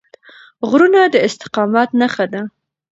غرونه د استقامت نښه ده.